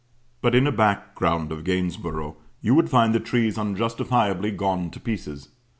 But in a background of Gainsborough you would find the trees unjustifiably gone to pieces.